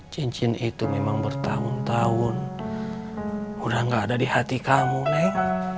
cincin itu memang bertahun tahun udah gak ada di hati kamu nih